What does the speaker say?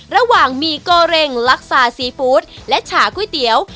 ระหว่างมีโกเร็งลักษณะซีฟู้ดและฉาก๋วยเตี๋ยว